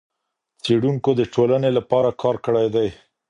څېړونکو د ټولني لپاره کار کړئ دئ.